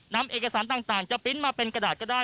นำเอกสารต่างจะปริ้นต์มาเป็นกระดาษก็ได้